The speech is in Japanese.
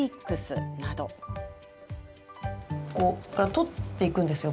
取っていくんですよ